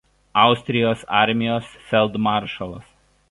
Austrijos armijos feldmaršalas.